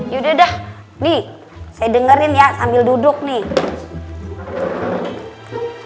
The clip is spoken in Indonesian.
yaudah deh nih saya dengerin ya sambil duduk nih